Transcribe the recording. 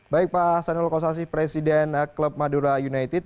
baik pak sanyal kausasi presiden klub madura united